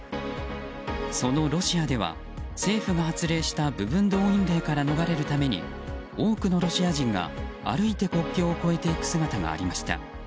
そのロシアでは、政府が発令した部分動員令から逃れるために多くのロシア人が、歩いて国境を越えていく姿がありました。